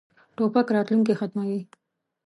توپک راتلونکی ختموي.